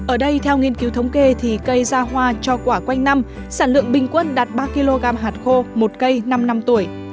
ở đây theo nghiên cứu thống kê thì cây ra hoa cho quả quanh năm sản lượng bình quân đạt ba kg hạt khô một cây năm năm tuổi